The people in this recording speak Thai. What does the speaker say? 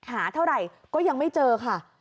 หาเท่าไหร่ก็ยังไม่เจอค่ะ